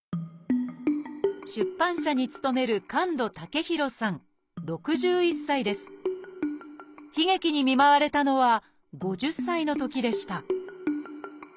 出版社に勤める悲劇に見舞われたのは５０歳のときでした